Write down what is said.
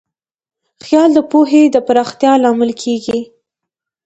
خیال د پوهې د پراختیا لامل کېږي.